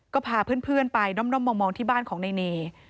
ก็พาเพื่อนไปน่อมมองที่บ้านของนายเน